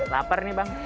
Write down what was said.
laper nih bang